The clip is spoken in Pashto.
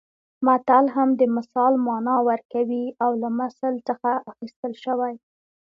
متل هم د مثال مانا ورکوي او له مثل څخه اخیستل شوی